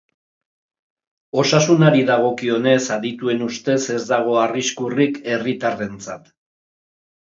Osasunari dagokionez, adituen ustez ez dago arriskurik herritarrentzat.